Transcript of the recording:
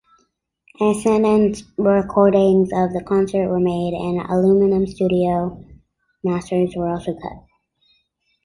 Acetate recordings of the concert were made, and aluminum studio masters were also cut.